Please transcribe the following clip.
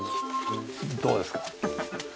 どうですか？